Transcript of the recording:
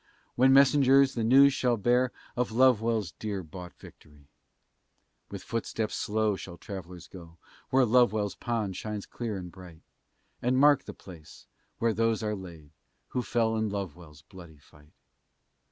When messengers the news shall bear, Of Lovewell's dear bought victory. With footsteps slow shall travellers go, Where Lovewell's pond shines clear and bright, And mark the place, where those are laid, Who fell in Lovewell's bloody fight.